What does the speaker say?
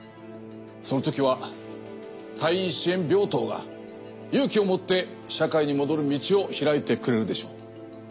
そのときは退院支援病棟が勇気を持って社会に戻る道を開いてくれるでしょう。